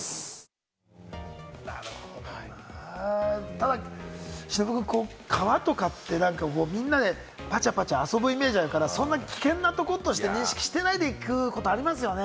ただ忍君、川とかって、みんなでパチャパチャ遊ぶイメージがあるから、そんなに危険なところとして認識してないで行くことありますよね。